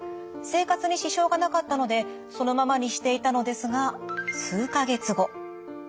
生活に支障がなかったのでそのままにしていたのですが数か月後。